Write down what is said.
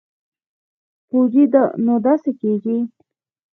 پوجي نو داسې کېږي.